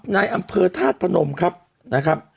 ในอำเภอธาตุพนมครับนะครับ